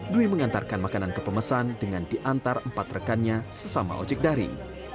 dwi mengantarkan makanan ke pemesan dengan diantar empat rekannya sesama ojek daring